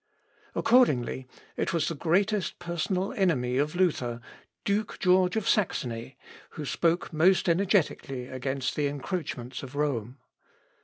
Accordingly, it was the greatest personal enemy of Luther, Duke George of Saxony, who spoke most energetically against the encroachments of Rome.